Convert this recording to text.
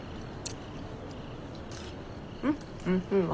うんおいしいわ。